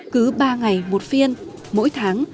cứ ba ngày một phiên mỗi tháng